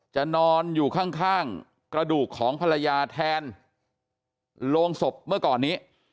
จะนอนอยู่ข้างกระดูกของภรรยาแทนโรงศพเมื่อก่อนนี้